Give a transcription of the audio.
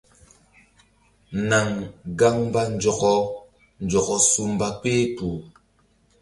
Naŋ gaŋ mba nzɔkɔ nzɔkɔ su mba kpehkpuh.